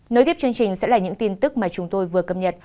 nối tiếp chương trình sẽ là những tin tức mà chúng tôi vừa cập nhật